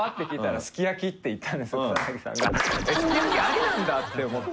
すき焼きありなんだって思って。